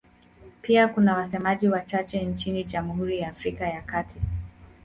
Pia kuna wasemaji wachache nchini Jamhuri ya Afrika ya Kati.